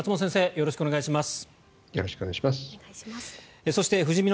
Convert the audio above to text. よろしくお願いします。